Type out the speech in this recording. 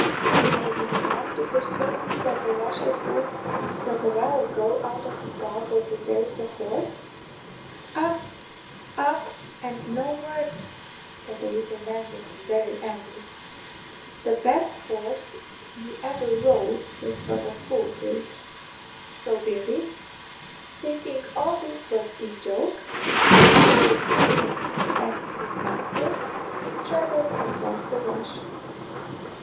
May be you want to persuade me that the rush I pulled but a while ago out of the bog over there is a horse?" "Up! up! and no words," said the little man, looking very angry; "the best horse you ever rode was but a fool to it." So Billy, thinking all this was in joke, and fearing to vex his master, straddled across the rush.